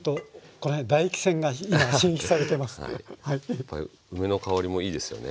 やっぱり梅の香りもいいですよね。